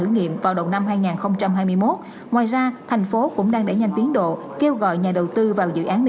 nói là có chiến lược